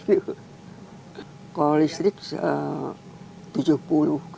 kalau listrik rp tujuh puluh